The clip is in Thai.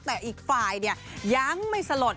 แต่อีกฝ่ายเนี่ยยังไม่สลด